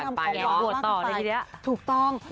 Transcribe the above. ถ้าผ้าทรงออกมาทุกท่ายถูกต้อง